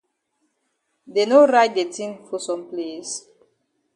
Dey no write de tin for some place?